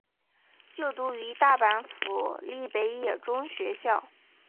就读于大阪府立北野中学校。